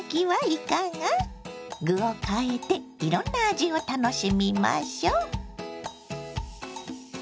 具を変えていろんな味を楽しみましょ。